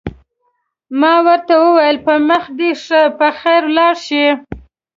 ما ورته وویل: په مخه دې ښه، په خیر ولاړ شه.